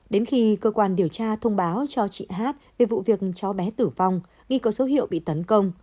đến khi cơ quan điều tra thông báo cho chị hát về vụ việc cháu bé tử vong ghi có số hiệu bị tấn công